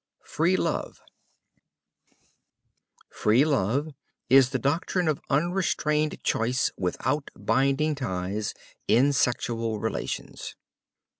FREE LOVE Free love is the doctrine of unrestrained choice, without binding ties, in sexual relations.